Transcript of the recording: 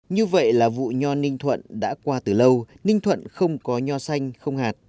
như vậy là vụ nho ninh thuận đã qua từ lâu ninh thuận không có nho xanh không hạt